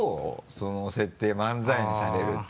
その設定漫才にされるって。